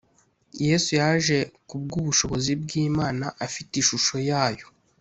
” Yesu yaje kubw’ubushobozi bw’Imana, afite ishusho yayo